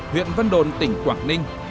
huyện vân đồn tỉnh quảng ninh